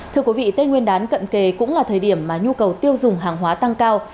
thưa quý vị tết nguyên đán cận kề cũng là thời điểm mà nhu cầu tiêu dùng hàng hóa tăng cao